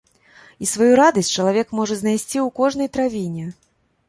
І сваю радасць чалавек можа знайсці ў кожнай травіне.